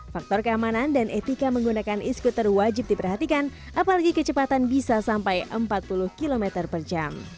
faktor keamanan dan etika menggunakan e scooter wajib diperhatikan apalagi kecepatan bisa sampai empat puluh km per jam